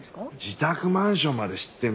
自宅マンションまで知ってるんだぞ？